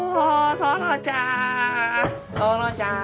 園ちゃん！